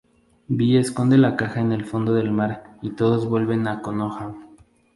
Bee esconde la caja en el fondo del mar y todos vuelven a Konoha.